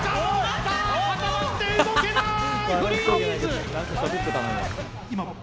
固まって動けない！